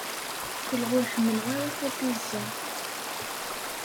Qqleɣ ur ḥemmleɣ ara tapizza.